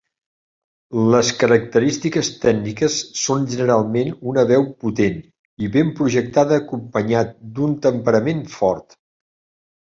Les característiques tècniques són generalment una veu potent i ben projectada acompanyat d'un temperament fort.